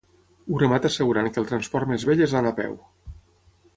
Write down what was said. Ho remata assegurant que el transport més vell és l'anar a peu.